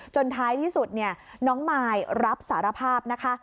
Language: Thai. จนท้ายที่สุดน้องมายรับสารภาพ